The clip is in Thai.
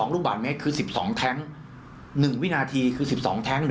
๑๒ลูกบาทเมตรคือ๑๒แทงก์๑วินาทีคือ๑๒แทงก์